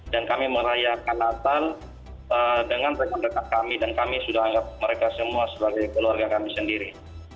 dan kami merayakan natal dengan rekan rekan kami dan kami sudah anggap mereka semua sebagai keluarga kami sendiri